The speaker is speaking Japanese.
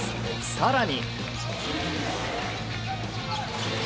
更に。